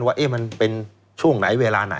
ว่ามันเป็นช่วงไหนเวลาไหน